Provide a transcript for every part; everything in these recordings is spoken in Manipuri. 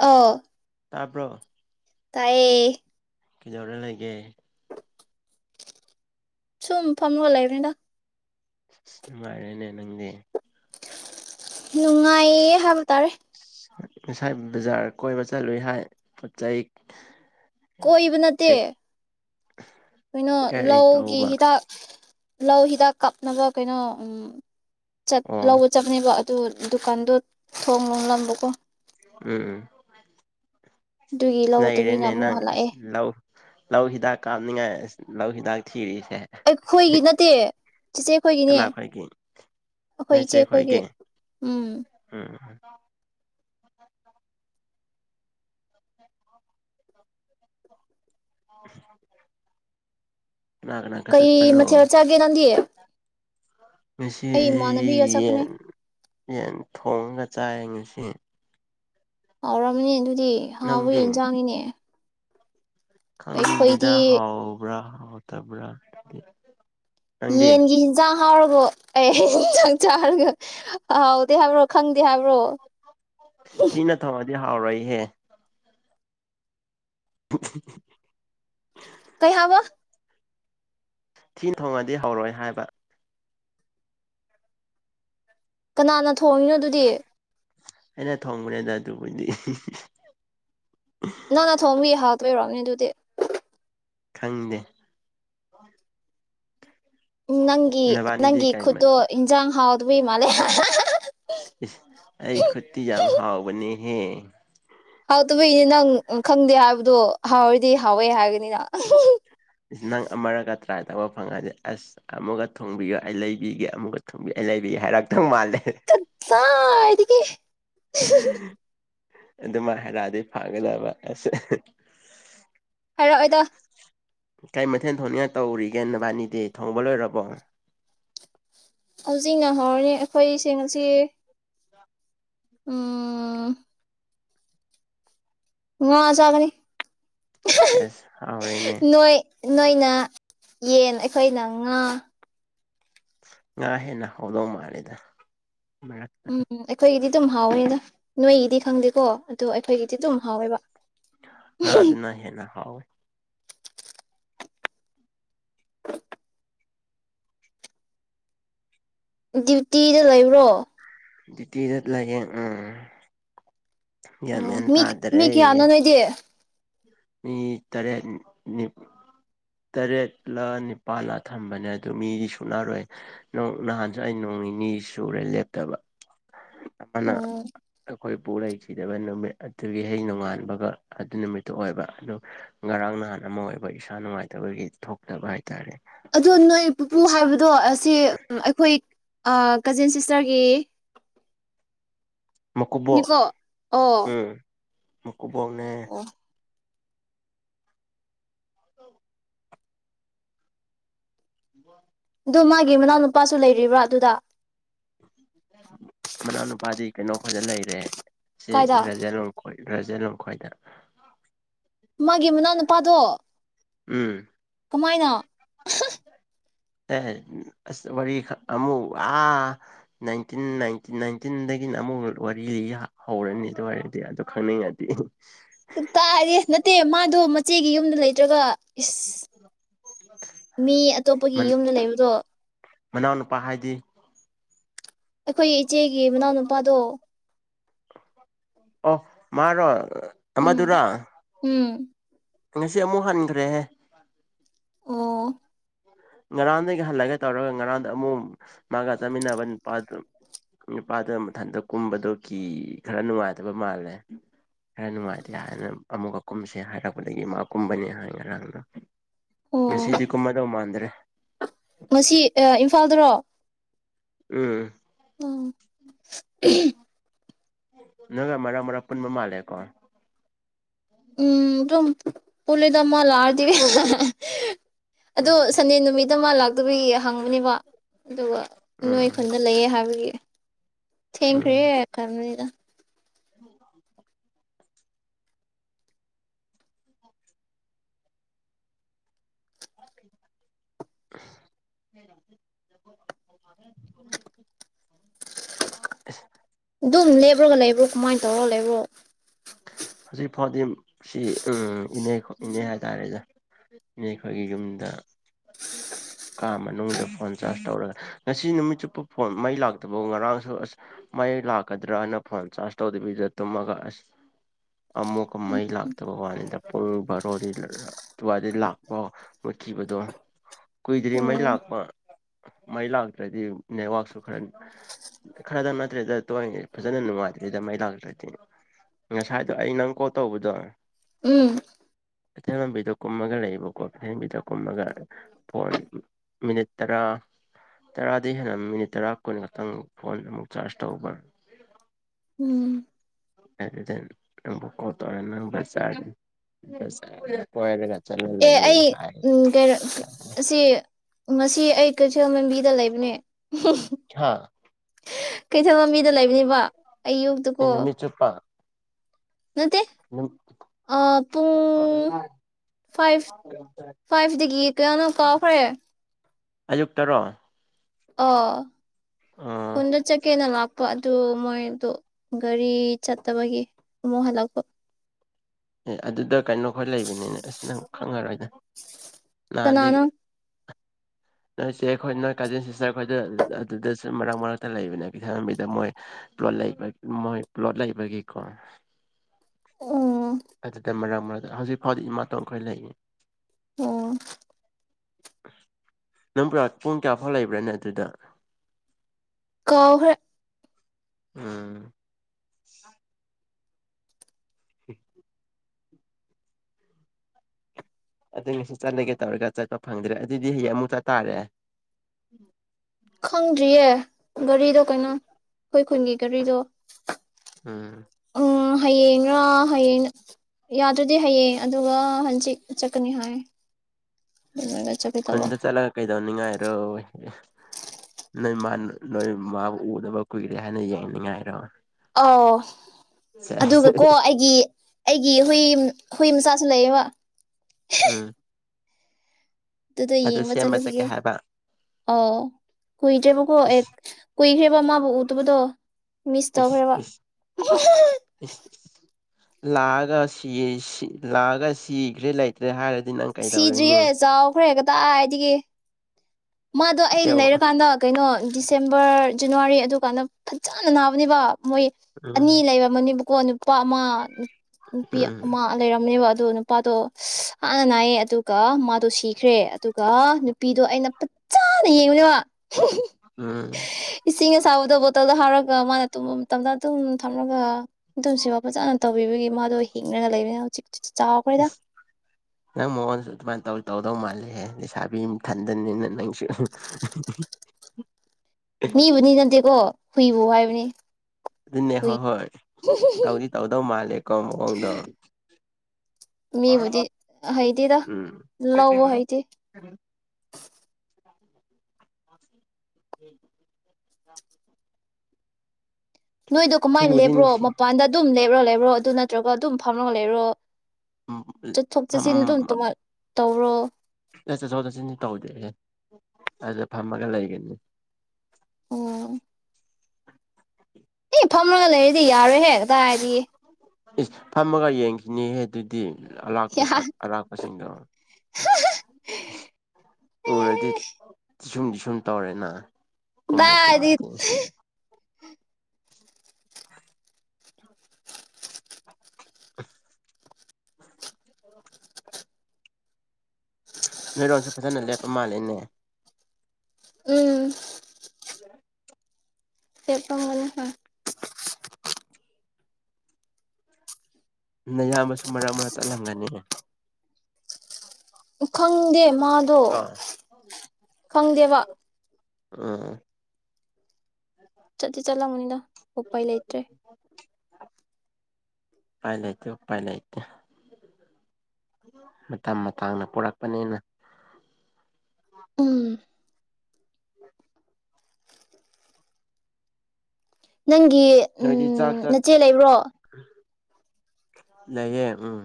ꯑ ꯇꯥꯕꯔꯣ ꯇꯥꯏꯌꯦ ꯀꯗꯧꯔ ꯂꯩꯒꯦ ꯁꯨꯝ ꯐꯝꯒ ꯂꯩꯕꯅꯦꯗꯥ ꯑꯁ ꯅꯨꯡꯉꯥꯏꯔꯦꯅꯦ ꯅꯪꯗꯤ ꯅꯨꯡꯉꯥꯏꯌꯦ ꯍꯥꯏꯕ ꯇꯥꯔꯦ ꯉꯁꯥꯏ ꯕꯖꯥꯔ ꯀꯣꯏꯕ ꯆꯠꯂꯨꯏ ꯍꯥꯏ ꯄꯣꯠ ꯆꯩ ꯀꯣꯏꯕ ꯅꯠꯇꯦ ꯀꯩ ꯀꯩꯅꯣ ꯀꯔꯤ ꯂꯧꯒꯤ ꯇꯧꯕ ꯍꯤꯗꯥꯛ ꯂꯧ ꯍꯤꯗꯥꯛ ꯀꯥꯞꯅꯕ ꯀꯩꯅꯣ ꯎꯝ ꯆꯠ ꯑꯣ ꯂꯧꯕ ꯆꯞꯅꯤꯕ ꯑꯗꯨ ꯗꯨꯀꯥꯟꯗꯣ ꯊꯣꯡ ꯂꯣꯂꯝꯕꯀꯣ ꯎꯝ ꯑꯗꯨꯒꯤ ꯂꯧ ꯇꯕꯤꯅ ꯅꯩꯔꯦꯅꯦ ꯑꯃꯨꯛ ꯅꯪ ꯑꯁ ꯍꯜꯂꯛꯑꯦ ꯂꯧ ꯂꯧ ꯍꯤꯗꯥꯛ ꯀꯥꯞꯅꯤꯡꯉꯥꯏ ꯂꯧ ꯍꯤꯗꯥꯛ ꯊꯤꯔꯤ ꯑꯩꯈꯣꯏꯒꯤ ꯅꯠꯇꯦ ꯆꯤꯆꯦ ꯑꯩꯈꯣꯏꯒꯤꯅꯦ ꯀꯅꯥ ꯈꯣꯏꯒꯤ ꯑꯩꯈꯣꯏ ꯅꯣꯏ ꯏꯆꯦ ꯆꯦ ꯑꯩꯈꯣꯏꯒꯤ ꯈꯣꯏꯒꯤ ꯎꯝ ꯎꯝ [inaudible] ꯀꯩ ꯆꯠꯄꯅꯣ ꯃꯊꯦꯜ ꯆꯥꯒꯦ ꯅꯪꯗꯤ ꯉꯁꯤ ꯑꯩ ꯏꯃꯥꯟꯅꯕꯤꯒ ꯆꯠꯄꯅꯦ ꯌꯦꯟ ꯌꯦꯟ ꯊꯣꯡꯉꯒ ꯆꯥꯏ ꯉꯁꯤ ꯍꯥꯎꯔꯝ ꯃꯅꯤ ꯑꯗꯨꯗꯤ ꯗꯤ ꯑꯍꯥꯎꯕ ꯅꯪꯗꯤ ꯏꯟꯁꯥꯡꯅꯤꯅꯦ ꯈꯪꯗꯦꯗ ꯍꯥꯎꯕ꯭ꯔꯥ ꯍꯥꯎꯇꯕ꯭ꯔꯗꯤ ꯌꯦꯟꯒꯤ ꯍꯖꯥꯡ ꯍꯥꯥꯎꯔꯒꯣ ꯑꯦ ꯆꯥꯛ ꯆꯥꯔꯒ ꯍꯥꯎꯇꯕꯔ ꯈꯪꯗꯦ ꯗꯤ ꯍꯥꯏꯕ꯭ꯔꯣ ꯗꯤ ꯍꯥꯎꯔꯣꯏ ꯍꯦ ꯍꯤꯍꯤ ꯀꯩ ꯍꯥꯏꯕ ꯊꯤ ꯊꯣꯡꯉꯗꯤ ꯍꯧꯔꯣꯏ ꯍꯥꯏꯕ ꯀꯅꯥꯅ ꯊꯣꯡꯉꯤꯅꯣ ꯑꯗꯨꯗꯤ ꯑꯩꯅ ꯊꯣꯡꯕꯅꯦꯗ ꯑꯗꯨꯕꯨꯗꯤ ꯅꯪꯅꯥ ꯊꯣꯡꯕꯒꯤ ꯍꯥꯎꯇ꯭ꯔꯤ ꯑꯣꯏꯔꯝꯅꯤ ꯑꯗꯨꯗꯤ ꯈꯪꯗꯦ ꯎꯝ ꯅꯪ ꯅꯕꯥꯅꯤꯗꯤ ꯅꯪꯒꯤ ꯀꯔꯤ ꯈꯨꯠꯇꯣ ꯏꯟꯖꯥꯡ ꯍꯥꯎ ꯑꯗꯨꯕꯨꯏ ꯃꯥꯂꯦ ꯑꯩ ꯈꯨꯠꯇꯤ ꯌꯥꯝ ꯍꯥꯎꯕꯅꯤ ꯍꯦ ꯍꯥꯎꯇꯕ ꯏꯅꯦ ꯅꯪ ꯈꯪꯗꯦ ꯍꯥꯏꯕꯗꯣ ꯍꯥꯎꯔꯗꯤ ꯍꯥꯎꯋꯦ ꯍꯥꯏꯒꯅꯤꯗ ꯅꯪ ꯑꯃꯔꯒ ꯇ꯭ꯔꯥꯏ ꯇꯧꯕ ꯐꯪꯉꯗꯤ ꯑꯁ ꯑꯃꯨꯛꯀ ꯊꯣꯡꯕꯤꯌꯣ ꯑꯩ ꯂꯩꯕꯤꯒꯦ ꯑꯃꯨꯛꯒ ꯊꯣꯡꯕꯤꯌꯨ ꯑꯩ ꯂꯩꯕꯤꯒꯦ ꯍꯥꯏꯔꯛꯇꯧ ꯃꯥꯜꯂꯦ ꯀꯗꯥꯏꯗꯒꯤ ꯍꯝ ꯑꯗꯨꯝꯃꯏ ꯍꯥꯏꯔꯛꯑꯗꯤ ꯐꯥꯒꯗꯕ ꯍꯥꯏꯔꯛꯑꯣꯏꯗ ꯀꯩ ꯃꯊꯦꯜ ꯊꯣꯡꯒꯦ ꯇꯧꯔꯤꯒꯦ ꯅꯕꯥꯟꯅꯤꯗꯤ ꯊꯣꯡꯕ ꯂꯣꯏꯔꯕꯣ ꯈꯨꯖꯤꯟꯅꯍꯧꯔꯅꯤ ꯑꯩꯈꯣꯏꯁꯦ ꯉꯁꯤ ꯎꯝ ꯉꯥ ꯆꯒꯅꯤ ꯁꯦꯁ ꯍꯥꯎꯔꯦꯅꯦ ꯅꯣꯏꯅ ꯌꯦꯟ ꯑꯩꯈꯣꯏꯅ ꯉꯥ ꯉꯥ ꯍꯦꯟꯅ ꯍꯧꯗꯧ ꯃꯥꯜꯂꯦꯗ ꯃꯔꯛ ꯎꯝ ꯑꯩꯈꯣꯏ ꯑꯗꯨꯝ ꯍꯥꯎꯋꯦꯅ ꯅꯣꯏꯒꯤꯗꯤ ꯈꯪꯗꯦꯀꯣ ꯑꯗꯣ ꯑꯩꯈꯣꯏꯒꯤꯗꯤ ꯑꯗꯨꯝ ꯍꯥꯎꯋꯦꯕ ꯑ ꯑꯗꯨꯅ ꯍꯦꯟꯅ ꯍꯥꯎꯋꯦ ꯗ꯭ꯌꯨꯇꯤꯗ ꯂꯩꯕ꯭ꯔꯣ ꯗꯤꯇꯗꯠ ꯂꯒꯦ ꯎꯝ ꯒ꯭ꯌꯥꯟ ꯃꯦꯟ ꯇꯥꯗꯔꯦ ꯃꯤꯌꯥꯅ ꯅꯗꯤꯦ ꯃꯤ ꯇꯔꯦꯠ ꯇꯔꯦꯠꯂꯥ ꯅꯤꯄꯥꯜꯂ ꯊꯝꯕꯅꯦ ꯑꯗꯨ ꯃꯤꯗꯤ ꯁꯨꯅꯔꯣꯏ ꯅꯍꯥꯟꯁꯨ ꯑꯩ ꯅꯣꯡ ꯅꯤꯅꯤ ꯁꯨꯔꯦ ꯂꯦꯞꯇꯕ ꯅ ꯎꯝ ꯑꯩꯈꯣꯏꯕꯨ ꯂꯩꯈꯤꯗꯕ ꯅꯨꯃꯤꯠ ꯑꯗꯨꯒꯤ ꯍꯦꯛ ꯅꯣꯡꯉꯥꯟꯕꯒ ꯑꯗꯨ ꯅꯨꯃꯤꯠꯇꯨ ꯑꯣꯏꯕ ꯑꯗꯨ ꯉꯔꯥꯡ ꯅꯍꯥꯟ ꯑꯃ ꯑꯣꯏꯕ ꯏꯁꯥ ꯅꯨꯡꯉꯥꯏꯇꯕꯒꯤ ꯊꯣꯛꯇꯕ ꯍꯥꯏꯇꯥꯔꯦ ꯑꯗꯣ ꯅꯣꯏ ꯄꯨꯄꯨ ꯍꯥꯏꯕꯗꯣ ꯁꯤ ꯑꯩꯈꯣꯏ ꯀꯖꯤꯟ ꯁꯤꯁꯇꯔꯒꯤ ꯃꯀꯨꯕꯣ ꯅꯤꯀꯣ ꯑꯣ ꯎꯝ ꯃꯀꯨꯕꯣꯛꯅꯦ ꯑꯣ ꯍ ꯋꯥ ꯑꯗꯣ ꯃꯥꯒꯤ ꯃꯅꯥꯎꯅꯨꯄꯥꯁꯨ ꯂꯩꯔꯤꯕ꯭ꯔꯥ ꯑꯗꯨꯗ ꯃꯅꯥꯎꯅꯨꯄꯥꯗꯤ ꯀꯩꯅꯣ ꯐꯖꯅ ꯂꯩꯔꯦ ꯁꯤ ꯀꯥꯏꯗ ꯔꯖꯥ ꯂꯈꯣꯏ ꯔꯖꯅꯈꯣꯏꯗ ꯃꯥꯒꯤ ꯃꯅꯥꯎꯅꯨꯄꯥꯗꯣ ꯎꯝ ꯁꯨꯃꯥꯏꯅ ꯑꯦ ꯑꯁ ꯋꯥꯔꯤ ꯑꯃꯨꯛ ꯑ ꯅꯥꯏꯇꯤꯟ ꯅꯥꯏꯟꯇꯤꯟꯗꯒꯤꯅ ꯑꯃꯨꯛ ꯋꯥꯔꯤ ꯂꯤ ꯍꯧꯔꯅꯤ ꯑꯗꯨ ꯑꯣꯏꯔꯗꯤ ꯑꯗꯨ ꯈꯪꯅꯤꯡꯉꯗꯤ ꯇꯥꯔꯤꯦ ꯅꯠꯇꯦ ꯃꯥꯗꯨ ꯏꯆꯦꯒꯤ ꯌꯨꯝꯗ ꯂꯩꯇ꯭ꯔꯒ ꯏꯁ ꯃꯤ ꯑꯇꯣꯞꯄꯒꯤ ꯌꯨꯝꯗ ꯂꯩꯕꯗꯣ ꯃꯅꯥꯎꯅꯨꯄꯥ ꯍꯥꯏꯗꯤ ꯑꯩꯈꯣꯏꯒꯤ ꯏꯆꯦꯒꯤ ꯃꯅꯥꯎꯅꯨꯄꯥꯗꯣ ꯑꯣ ꯃꯥꯔꯣ ꯑꯃꯗꯨꯔꯥ ꯎꯝ ꯎꯝ ꯉꯁꯤ ꯑꯃꯨꯛ ꯍꯟꯈ꯭ꯔꯦꯍꯦ ꯑꯣ ꯉꯔꯥꯡꯗꯒꯤ ꯍꯜꯂꯒ ꯇꯧꯔꯒ ꯉꯔꯥꯡꯗ ꯑꯃꯨꯛ ꯃꯥꯒ ꯆꯃꯤꯟꯅꯕꯅꯤ ꯄ ꯅꯨꯄꯥꯗꯨ ꯃꯊꯟꯇ ꯀꯨꯝꯕꯗꯨꯣ ꯀꯤ ꯈꯔ ꯅꯨꯡꯉꯥꯏꯇꯕ ꯃꯥꯜꯂꯦ ꯈꯔ ꯅꯨꯡꯉꯥꯏꯇꯦ ꯍꯥꯏꯅ ꯑꯃꯨꯛꯀ ꯀꯨꯝꯁꯦ ꯍꯥꯏꯔꯛꯄꯗꯒꯤ ꯃꯥ ꯀꯨꯝꯕꯅꯤ ꯍꯥꯏ ꯉꯔꯥꯡꯅ ꯉꯁꯤꯗꯤ ꯀꯨꯝꯃꯗꯧ ꯃꯥꯟꯗ꯭ꯔꯦ ꯃꯁꯤ ꯏꯝꯐꯥꯜꯗꯔꯣ ꯎꯝ ꯎꯝ [unintelligible] ꯅꯪꯉꯥꯏ ꯃꯔꯛ ꯃꯔꯛ ꯄꯨꯟꯕ ꯃꯥꯜꯂꯦꯀꯣ ꯎꯝ ꯑꯗꯨꯝ ꯄꯨꯂꯤꯗꯃ ꯂꯥꯔꯇꯔꯤ ꯑꯗꯣ ꯎꯝ ꯁꯟꯗꯦ ꯅꯨꯃꯤꯠ ꯗ ꯃꯥ ꯂꯥꯛꯇꯕ ꯍꯪꯕꯅꯦꯕ ꯑꯗꯨꯒ ꯅꯣꯏ ꯎꯝ ꯑꯩꯈꯟꯗ ꯂꯩꯌꯦ ꯍꯥꯏꯕꯒꯤ ꯊꯦꯡꯈ꯭ꯔꯦ ꯎꯝ ꯀꯗ [inaudible] ꯗꯨꯨꯝꯅꯦ ꯈꯞ꯭ꯔꯒ ꯂꯩꯕ꯭ꯔꯣ ꯀꯃꯥꯏꯅ ꯇꯧꯔꯒ ꯂꯩꯕ꯭ꯔꯣ ꯍꯧꯖꯤꯛ ꯐꯥꯎꯗꯤ ꯁꯤ ꯏꯅꯦ ꯏꯅꯦ ꯍꯥꯏ ꯇꯥꯔꯦꯗ ꯏꯅꯦꯈꯣꯏꯒꯤ ꯌꯨꯝꯗ ꯀꯥ ꯃꯅꯨꯡꯗ ꯐꯣꯟ ꯆꯥꯔꯖ ꯇꯧꯔꯒ ꯉꯁꯤ ꯅꯨꯃꯤꯠ ꯆꯨꯞꯄ ꯐꯣꯟ ꯃꯩ ꯂꯥꯛꯇꯐꯥꯎ ꯉꯔꯥꯡꯁꯨ ꯑꯁ ꯃꯩ ꯂꯥꯛꯀꯗ꯭ꯔꯅ ꯐꯣꯟ ꯆꯥꯔꯖ ꯇꯧꯗꯕꯤꯗ ꯇꯨꯝꯃꯒ ꯑꯁ ꯑꯃꯨꯛꯀ ꯃꯩ ꯂꯥꯛꯇꯕ ꯋꯥꯅꯤꯗ ꯄꯨꯡ ꯕꯥꯔꯣꯗꯤꯗꯤ ꯂꯥꯛꯄ ꯃꯨꯠꯈꯤꯕꯗꯣ ꯀꯨꯏꯗ꯭ꯔꯤ ꯃꯩ ꯑꯣ ꯂꯥꯛꯄ ꯃꯩ ꯂꯥꯛꯇ꯭ꯔꯗꯤ ꯅꯦꯠꯋꯥꯛꯁꯨ ꯈꯔ ꯈꯔꯗꯪ ꯅꯠꯇ꯭ꯔꯦꯗ ꯐꯖꯅ ꯅꯨꯡꯉꯥꯏꯇ꯭ꯔꯤꯗ ꯃꯩ ꯂꯥꯛꯇ꯭ꯔꯗꯤ ꯉꯁꯥꯏꯗꯣ ꯑꯩ ꯅꯪ ꯀꯣꯜ ꯇꯧꯕꯗꯣ ꯎꯝ ꯀꯩꯊꯦꯜ ꯂꯝꯕꯤꯗ ꯀꯨꯝꯃꯒ ꯂꯩꯕꯀꯣ ꯀꯩꯊꯦꯜ ꯂꯝꯕꯤꯗ ꯀꯨꯝꯃꯒ ꯐꯣꯟ ꯃꯤꯅꯤꯠ ꯇꯔꯥ ꯇꯔꯥꯗꯒꯤ ꯍꯦꯟꯅ ꯃꯤꯅꯤꯠ ꯇꯔꯥ ꯀꯨꯟ ꯈꯛꯇꯪ ꯐꯣꯟ ꯑꯃꯨꯛ ꯆꯥꯔꯖ ꯇꯧꯕ ꯎꯝ [unintelligible] ꯑꯦ ꯂꯩꯌꯦ ꯑꯩ ꯍꯥꯏꯌꯦ ꯎꯝ ꯀꯩꯅꯣ ꯁꯤ ꯉꯁꯤ ꯑꯩ ꯀꯩꯁꯦ ꯑꯃꯦꯝꯕꯤꯗ ꯂꯩꯕꯅꯦ ꯍꯥ ꯀꯩꯊꯦꯜ ꯃ ꯃꯤꯗ ꯂꯩꯕꯅꯦꯕ ꯑꯌꯨꯛꯇꯀꯣ ꯑꯩ ꯅꯨꯃꯤꯠ ꯆꯨꯞꯄ ꯅꯠꯇꯦ ꯄꯨꯡ ꯐꯥꯏꯚ ꯐꯥꯏꯚꯇꯒꯤ ꯀꯌꯥꯅꯣ ꯀꯥꯎ ꯐꯣꯏꯌꯦ ꯑꯌꯨꯛꯇꯔꯣ ꯑꯥ ꯑꯦ ꯈꯨꯟꯗ ꯆꯠꯀꯦꯅ ꯂꯥꯛ ꯄꯣ ꯑꯗꯨ ꯃꯣꯏꯗꯣ ꯒꯥꯔꯤ ꯆꯠꯇꯕꯒꯤ ꯑꯃꯨꯛ ꯍꯜꯂꯛꯄ ꯑꯦ ꯑꯗꯨꯗ ꯀꯩꯅꯣ ꯈꯈꯣꯏ ꯂꯩꯕꯅꯤꯅꯦ ꯑꯁꯤꯅ ꯈꯪꯉꯔꯣꯏꯗ ꯅꯍꯥꯟꯗꯒꯤ ꯀꯅꯥꯅꯣ ꯅꯣꯏ ꯏꯆꯦ ꯑꯩꯈꯣꯏ ꯅꯣꯏ ꯀꯥꯖꯤꯟ ꯁꯤꯁꯇꯔ ꯑꯩꯈꯣꯏꯗ ꯑꯗꯨꯗꯁꯨ ꯃꯔꯛ ꯃꯔꯛꯇ ꯂꯩꯕꯅꯦ ꯀꯩꯊꯟꯕꯤꯗ ꯃꯣꯏ ꯄ꯭ꯂꯣꯠ ꯂꯩꯕ ꯃꯣꯏ ꯄ꯭ꯂꯣꯠ ꯂꯩꯕꯒꯤꯀꯣ ꯑꯣ ꯑꯗꯨꯇ ꯃꯔꯛ ꯃ ꯍꯧꯖꯤꯛ ꯐꯥꯎꯗꯤ ꯏꯃꯥꯇꯣꯟ ꯈꯣꯏ ꯂꯩꯔꯤ ꯑꯣ [inaudible] ꯅꯪ ꯄꯨꯡ ꯀꯌꯥ ꯐꯥꯎ ꯂꯩꯕ꯭ꯔꯥꯅꯦ ꯑꯗꯨꯗ ꯀꯧꯍ ꯎꯝ ꯎꯝ ꯑꯗꯨꯅꯁꯨ ꯆꯠꯂꯒꯦ ꯇꯧꯔꯒ ꯆꯠꯄ ꯐꯪꯗ꯭ꯔꯦ ꯑꯗꯨꯗꯤ ꯍꯌꯦꯡ ꯑꯃꯨꯛ ꯆꯠꯇꯥꯥꯔꯦ ꯈꯪꯗ꯭ꯔꯤꯌꯦ ꯒꯥꯔꯤꯗꯣ ꯀꯩꯅꯣ ꯑꯩꯈꯣꯏ ꯈꯨꯟꯒꯤ ꯒꯥꯔꯤꯗꯣ ꯎꯝ ꯎꯝ ꯍꯌꯦꯡꯔꯥ ꯍꯌꯦꯡ ꯌꯥꯗ꯭ꯔꯗꯤ ꯍꯌꯦꯡ ꯑꯗꯨꯒ ꯍꯪꯆꯤꯠ ꯆꯠꯀꯅꯤ ꯍꯥꯏ ꯑꯗꯨꯒ ꯆꯠꯀꯦ ꯇꯧꯕ ꯈꯟꯗ ꯆꯂꯒ ꯀꯩꯗ ꯅꯤꯡꯉꯥꯏꯔꯣ ꯅꯣꯏ ꯃꯥ ꯅꯣꯏ ꯃꯥꯕꯨ ꯎꯗꯕ ꯀꯨꯏꯔꯦ ꯍꯥꯏꯅ ꯌꯦꯡꯅꯤꯡꯉꯥꯏꯔꯣ ꯑꯣ ꯑꯗꯨꯒ ꯀꯣ ꯑꯩꯒꯤ ꯑꯩꯒꯤ ꯍꯨꯏ ꯍꯨꯏ ꯃ ꯆꯁꯨ ꯂꯩꯌꯦꯕ ꯑꯝ ꯑꯗꯨꯗ ꯌꯦꯡꯕ ꯆꯠꯀꯦ ꯆꯠꯂꯨꯁꯤꯒꯦ ꯍꯥꯏꯕ ꯑ ꯀꯨꯏꯗ꯭ꯔꯦꯕꯀꯣ ꯑꯦ ꯏꯁ ꯀꯨꯏꯈ꯭ꯔꯦ ꯃ ꯎꯗꯨꯕꯨꯗꯣ ꯃꯤꯁ ꯏꯁ ꯇꯧꯈ꯭ꯔꯕ ꯏꯁ ꯏꯁ ꯏꯁ ꯂꯥꯛꯑꯒ ꯂꯥꯛꯑꯒ ꯁꯤꯈ꯭ꯔꯦ ꯂꯩꯇ꯭ꯔꯦ ꯍꯥꯏꯔꯗꯤ ꯅꯪ ꯀꯩꯗꯧꯔꯅꯤ ꯁꯤꯗ꯭ꯔꯤꯌꯦꯦ ꯆꯥꯎꯈ꯭ꯔꯦ ꯀꯗꯥꯏꯗꯤꯒ ꯃꯥꯗꯣ ꯑꯩ ꯏꯇꯦꯑꯣ ꯂꯩꯔꯀꯥꯟꯗ ꯀꯩꯅꯣ ꯗꯤꯁꯦꯝꯕꯔ ꯖꯅꯋꯥꯔꯤ ꯑꯗꯨꯀꯥꯟꯗ ꯐꯖꯅ ꯅꯥꯕꯅꯦꯕ ꯃꯣꯏ ꯑꯅꯤ ꯎꯝ ꯂꯩꯕꯝ ꯃꯅꯦꯕ ꯀꯣꯟ ꯄ ꯑꯃ ꯅꯨꯄꯤ ꯎꯝ ꯑꯃ ꯂꯩꯔꯝꯅꯦꯕ ꯑꯗꯣ ꯅꯨꯄꯥꯗꯣ ꯍꯥꯟꯅ ꯅꯥꯏꯌꯦ ꯑꯗꯨꯒ ꯃꯥꯗꯣ ꯁꯤꯈ꯭ꯔꯦ ꯑꯗꯨꯒ ꯅꯨꯄꯤꯗꯣ ꯑꯩꯅ ꯆꯥꯗ ꯌꯦꯅꯦ ꯋꯥ ꯎꯝ ꯏꯁꯤꯡ ꯑꯁꯥꯕꯗ ꯕꯣꯇꯜꯗ ꯍꯥꯥꯎꯔꯒ ꯃꯥꯅ ꯃꯇꯝꯗꯥ ꯑꯗꯨꯝ ꯊꯝꯂꯒ ꯑꯗꯨꯝ ꯁꯤꯕ ꯐꯖꯥꯅ ꯇꯧꯕꯤꯕꯒꯤ ꯃꯥꯗꯣ ꯍꯤꯡꯉꯒ ꯂꯩꯕꯅꯤꯅ ꯍꯧꯖꯤꯛ ꯆꯥꯎꯈ꯭ꯔꯦꯗ ꯅ ꯃꯣꯍꯟꯁꯨ ꯑꯗꯨ ꯃꯥꯅ ꯇꯧ ꯇꯧꯗꯧ ꯃꯥꯂꯦ ꯑꯦ ꯂꯩꯁꯥꯕꯤ ꯑꯃ ꯊꯟꯗꯅꯤꯅ ꯅꯪꯁꯨ ꯅꯕꯨ ꯅ ꯅꯇꯦꯀꯣ ꯍꯨꯏꯕ ꯍꯥꯏꯕꯅꯤ ꯑꯗꯨꯅꯦ ꯍꯨꯏ ꯍꯣꯏ ꯍꯣꯏ ꯇꯧꯗꯤ ꯇꯧꯗꯧ ꯃꯥꯜꯂꯦꯀꯣ ꯃꯑꯣꯡꯗꯣ ꯃꯤꯕꯨꯗꯤ ꯍꯩꯇꯦꯔ ꯎꯝ ꯂꯧꯕ ꯍꯩꯗꯤꯦ ꯎꯝ ꯅꯣꯏꯗꯣ ꯀꯃꯥꯏꯅ ꯂꯦꯞ꯭ꯔꯣ ꯅꯨꯡꯁꯤ ꯃꯄꯥꯟꯗ ꯑꯗꯨꯝ ꯐꯔ ꯂꯩꯔꯣ ꯑꯗꯨ ꯅꯠꯇ꯭ꯔꯒ ꯑꯗꯨꯝ ꯐꯝꯔꯒ ꯂꯩꯔꯣ ꯊꯣꯛ ꯆ ꯁꯤ ꯅꯗꯨꯅ ꯇꯣ ꯃꯔ ꯇꯧꯔꯣ ꯑ ꯆꯠꯊꯣꯛ ꯆꯠꯁꯤꯟꯁꯤ ꯇꯧꯗꯦꯦ ꯑꯗꯨꯗ ꯐꯝꯃꯒ ꯂꯩꯒꯅꯤ ꯑꯣ ꯑꯦ ꯐꯝꯃꯒ ꯂꯩꯔꯗꯤ ꯌꯥꯔꯣꯏ ꯍꯦꯛꯛꯇ ꯂꯩꯌꯦ ꯏꯁ ꯐꯝꯃꯒ ꯌꯦꯡꯁꯤꯅꯦꯍꯦ ꯑꯗꯨꯗꯤ ꯑꯥꯛꯄ ꯌꯥꯔꯦ ꯑꯔꯥꯛꯄꯁꯤꯡꯗꯣ ꯑꯁ ꯎꯔꯗꯤ ꯁꯨꯝꯗꯤ ꯁꯨꯝ ꯇꯧꯔꯦꯅ ꯀꯨꯝꯕ ꯀꯨꯝꯃꯗꯤ [unintelligible] ꯑ [inaudible] ꯅꯣꯏꯔꯣꯟꯜꯁꯨ ꯐꯖꯅ ꯂꯦꯞꯄ ꯃꯥꯜꯂꯤꯅꯦ ꯎꯝ ꯆꯠꯀꯝ ꯃꯍ ꯅꯌꯥꯝꯕꯁꯨ ꯃꯔꯛ ꯃꯔꯛ ꯆꯠꯂꯝꯒꯅꯤ ꯈꯪꯗꯦ ꯃꯥꯗꯣ ꯀꯣ ꯈꯪꯗꯦꯕ ꯑ ꯆꯠꯗꯤ ꯆꯠꯂꯉꯅꯤꯗ ꯑꯣꯄꯥꯏ ꯂꯩ ꯏꯇ꯭ꯔꯦ ꯎꯄꯥꯏ ꯂꯩꯇꯦ ꯎꯄꯥꯏ ꯂꯩꯇꯦ ꯃꯇꯝ ꯃꯇꯝꯥꯡꯅ ꯄꯔꯛꯄꯅꯤꯅ ꯎꯝ ꯎ ꯅꯪꯒꯤ ꯎ ꯅꯆꯦ ꯂꯩꯕ꯭ꯔꯣ ꯅꯌꯦ ꯎꯝ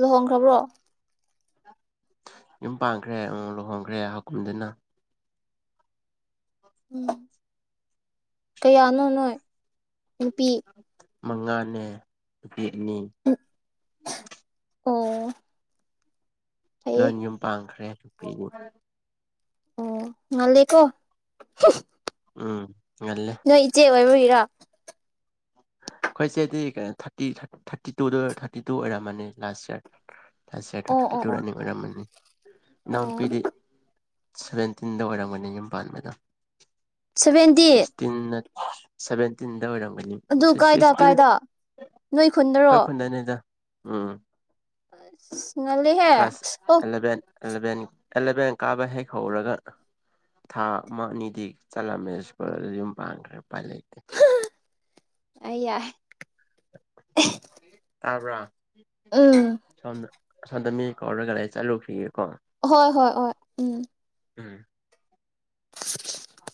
ꯂꯨꯍꯣꯡꯈ꯭ꯔꯕ꯭ꯔꯣ ꯌꯨꯝ ꯄꯥꯟꯈ꯭ꯔꯦ ꯂꯨꯍꯣꯡꯈ꯭ꯔꯦ ꯍꯀꯨꯝꯗꯨꯅ ꯎꯝ ꯀꯌꯥꯅꯣ ꯅꯣꯏ ꯅꯨꯄꯤ ꯃꯉꯥꯅꯦ ꯎꯝ ꯎꯝ ꯑꯣ ꯐꯩꯌꯦ ꯂꯣꯟ ꯌꯨꯝ ꯄꯥꯡꯈ꯭ꯔꯦ ꯀꯩ ꯑꯣ ꯉꯜꯦꯀꯣ ꯎꯝ ꯉꯜꯂꯦ ꯅꯣꯏ ꯏꯆꯦ ꯑꯣꯏ ꯈꯤꯔ ꯑꯩꯈꯣꯏꯁꯦꯗꯤ ꯀꯣ ꯊꯥꯔꯇꯤ ꯊꯥꯔꯇꯤ ꯇꯨꯗ ꯊꯥꯔꯇꯤ ꯇꯨ ꯑꯣꯏꯔꯝꯃꯅꯤ ꯂꯥꯁ ꯌꯌꯥꯔ ꯇ ꯁꯤꯦꯌꯥ ꯇ ꯑꯣ ꯇꯥꯇꯤ ꯑꯣ ꯑꯣ ꯇꯧꯨꯔꯥꯅꯤ ꯃꯝ ꯑꯃꯅꯤꯅꯤ ꯅꯅꯥꯎꯣꯟ ꯑꯣ ꯄꯤꯗꯤ ꯁꯚꯦꯟꯇꯤꯟꯗ ꯋꯥꯔꯝ ꯃꯅꯤ ꯌꯨꯝ ꯄꯜꯃꯦꯗꯥ ꯁꯚꯦꯟꯇꯤ ꯁꯚꯦꯟꯇꯤꯟꯗ ꯑꯣꯏꯔꯝꯒꯅꯤ ꯑꯗꯨ ꯀꯥꯏꯗ ꯁꯤꯛꯁꯇꯤꯟ ꯀꯥꯏꯗ ꯅꯣꯏ ꯈꯨꯟꯗꯔꯣ ꯑꯩꯈꯣꯏ ꯈꯨꯟꯗꯅꯤꯗ ꯎꯝ ꯉꯂꯤꯍꯦ ꯀ꯭ꯂꯥꯁ ꯑꯣ ꯑꯦꯂꯚꯦꯟ ꯑꯦꯂꯚꯦꯟ ꯑꯦꯂꯚꯦꯟ ꯀꯥꯕ ꯍꯦꯛ ꯍꯧꯔꯒ ꯊꯥ ꯑꯃ ꯑꯅꯤꯗꯤ ꯆꯠꯂꯝꯃꯦ ꯁ꯭ꯀꯨꯜ ꯑꯗꯨ ꯌꯨꯝ ꯄꯥꯟꯈ꯭ꯔꯦ ꯎꯄꯥꯏ ꯂꯩꯇꯦ ꯑꯩ ꯌꯥꯏ [inaudible] ꯇꯕ꯭ꯔꯥ ꯎꯝ ꯁꯅ ꯁꯁꯣꯝꯗ ꯃꯤ ꯀꯧꯔꯒꯒꯥꯥꯏ ꯆꯠꯂꯨꯁꯤꯒꯦꯀꯣ ꯍꯣꯏ ꯍꯣꯏ ꯍꯣꯏ ꯎꯝ ꯎꯝ [unintelligible]